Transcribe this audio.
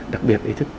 đặc biệt ý thức